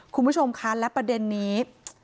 คุณผู้ชมคะและประเด็นนี้